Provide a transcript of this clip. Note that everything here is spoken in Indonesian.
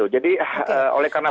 jadi oleh karena